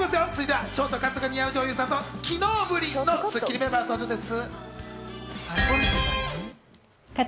続いてはショートカットが似合う女優さんと昨日ぶりのスッキリメンバーの登場です。